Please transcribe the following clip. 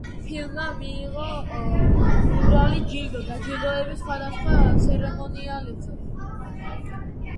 ფილმმა მიიღო უმრავი ჯილდო დაჯილდოების სხვადასხვა ცერემონიალებზე.